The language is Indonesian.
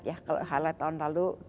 highlight tahun lalu q dua puluh